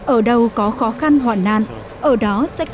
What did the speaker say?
ở đâu có khó khăn hoạn nạn ở đó sẽ kết thúc